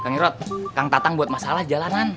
kang irot kang tatang buat masalah jalanan